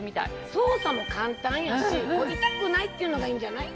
操作も簡単やし痛くないっていうのがいいんじゃない？